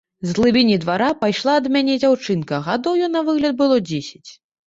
З глыбіні двара пайшла да мяне дзяўчынка, гадоў ёй на выгляд было дзесяць.